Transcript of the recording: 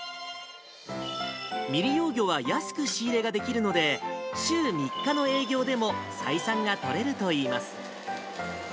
未利用魚は安く仕入れができるので、週３日の営業でも採算が取れるといいます。